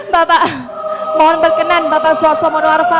bapak mohon berkenan bapak suarso monoarfa